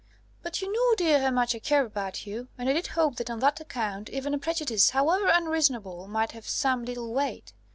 But you know, dear, how much I care about you; and I did hope that on that account even a prejudice, however unreasonable, might have some little weight.